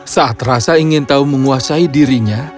saat rasa ingin tahu menguasai dirinya